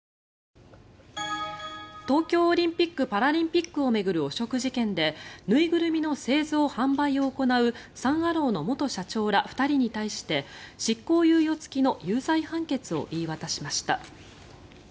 東京オリンピック・パラリンピックを巡る汚職事件で縫いぐるみの製造・販売を行うサン・アローの元社長ら２人に対して執行猶予付きの有罪判決を言い渡しました。